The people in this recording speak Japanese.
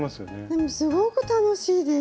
でもすごく楽しいです。